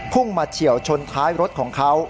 พุ่งมาเฉียวชนท้ายรถของเขา